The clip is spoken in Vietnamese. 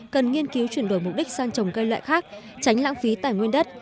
cần nghiên cứu chuyển đổi mục đích sang trồng cây loại khác tránh lãng phí tài nguyên đất